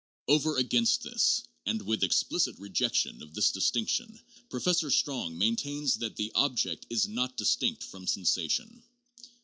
Over against this, and with explicit rejection of this distinction, Professor Strong maintains that 'the object is not distinct from sensation.'